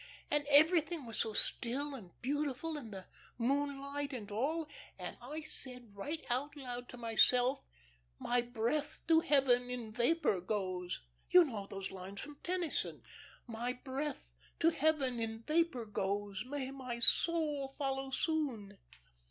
And everything was so still and beautiful, and the moonlight and all and I said right out loud to myself, "My breath to Heaven in vapour goes You know those lines from Tennyson: "My breath to Heaven in vapour goes, May my soul follow soon."